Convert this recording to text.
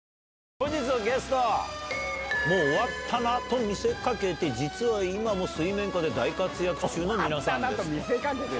本日のゲストは、もう終わったなと見せかけて、実は今も水面下で大活躍中の皆さんです。